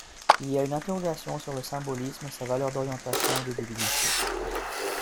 Il y a une interrogation sur le symbolisme, sa valeur d'orientation et de divination.